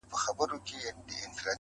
راشه ګلابه د ځوانۍ وختونه